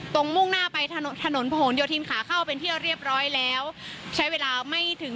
มุ่งหน้าไปถนนถนนผนโยธินขาเข้าเป็นที่เรียบร้อยแล้วใช้เวลาไม่ถึง